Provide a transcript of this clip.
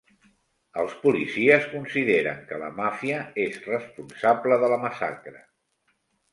Els policies consideren que la màfia és responsable de la massacre.